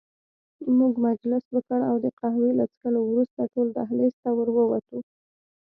موږ مجلس وکړ او د قهوې له څښلو وروسته ټول دهلېز ته ور ووتو.